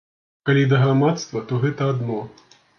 Калі да грамадства, то гэта адно.